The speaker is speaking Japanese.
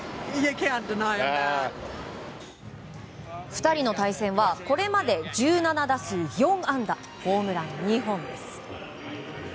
２人の対戦はこれまで１７打数４安打ホームラン２本です。